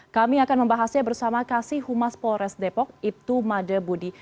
kami akan membahasnya bersama kasih humas polres depok ibtu made budi